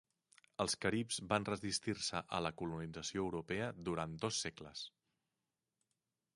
Els caribs van resistir-se a la colonització europea durant dos segles.